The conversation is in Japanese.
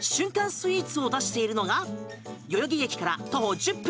スイーツを出しているのが代々木駅から徒歩１０分